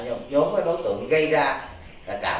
giornata achtay xin ruộng